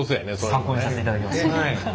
参考にさせていただきます。